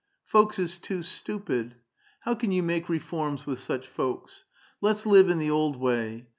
Folks is too stupid ; how can you make reforms with such folks? Let's live in the old wav.